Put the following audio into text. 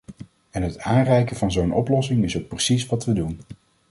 En het aanreiken van zo'n oplossing is ook precies wat we doen.